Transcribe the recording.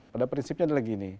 pada prinsipnya adalah gini